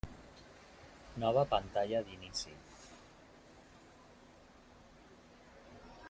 Nova pantalla d'inici.